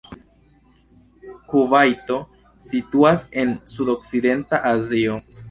Kuvajto situas en sudokcidenta Azio.